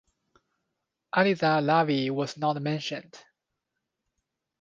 Aliza Lavie was not mentioned.